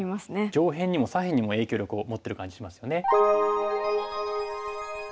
上辺にも左辺にも影響力を持ってる感じしますよね。